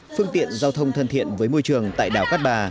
phương tiện giao thông thân thiện với môi trường tại đảo cát bà